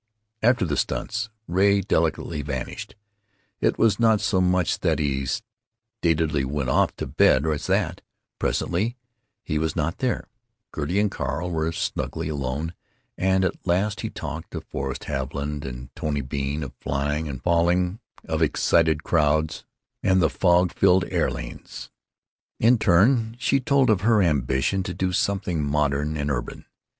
After the stunts Ray delicately vanished. It was not so much that he statedly went off to bed as that, presently, he was not there. Gertie and Carl were snugly alone, and at last he talked—of Forrest Haviland and Tony Bean, of flying and falling, of excited crowds and the fog filled air lanes. In turn she told of her ambition to do something modern and urban.